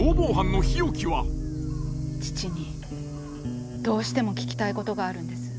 父にどうしても聞きたいことがあるんです。